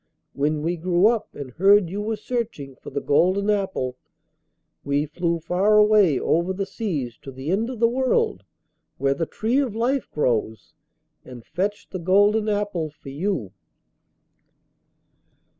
When we grew up and heard you were searching for the golden apple, we flew far away over the seas to the end of the world, where the tree of life grows, and fetched the golden apple for you.